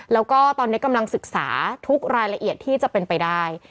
แล้วก็ตอนนี้กำลังศึกษาทุกรายละเอียดที่จะเป็นไปได้